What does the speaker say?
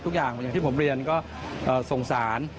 อย่างที่ผมเรียนก็สงสาร